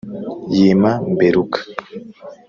Yima mberuka.